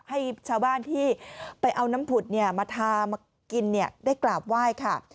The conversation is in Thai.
ให้ชาวบ้านที่ไปเอาน้ำผุดมาทามากินได้กราบไหว้ค่ะ